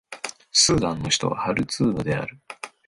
スーダンの首都はハルツームである